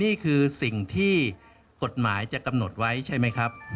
นี่คือสิ่งที่กฎหมายจะกำหนดไว้ใช่ไหมครับ